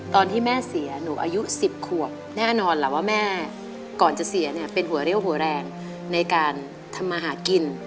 ตอนที่แม่เสียหนูอายุ๑๐ขวบแน่นอนล่ะว่าแม่ก่อนจะเสียเนี่ยเป็นหัวเรี่ยวหัวแรงในการทำมาหากิน